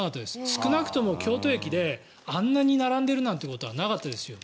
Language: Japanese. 少なくとも京都駅であんなに並んでるなんてことはなかったですよ。